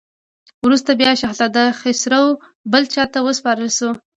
وروسته بیا شهزاده خسرو بل چا ته وسپارل شو.